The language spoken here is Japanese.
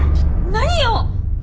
何よ！？